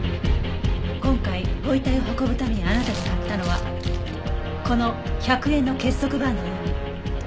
今回ご遺体を運ぶためにあなたが買ったのはこの１００円の結束バンドのみ。